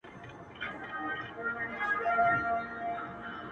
د سر قاتل پخلا کومه مصلحت کومه’